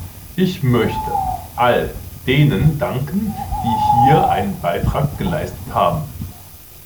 Ich möchte all denen danken, die hier einen Beitrag geleistet haben.